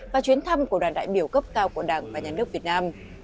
và chuyến thăm của đoàn đại biểu cấp cao của đảng và nhà nước việt nam